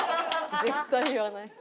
絶対言わない。